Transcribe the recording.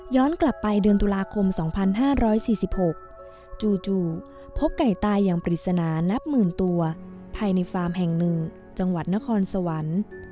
กลับไปเดือนตุลาคม๒๕๔๖จู่พบไก่ตายอย่างปริศนานับหมื่นตัวภายในฟาร์มแห่ง๑จังหวัดนครสวรรค์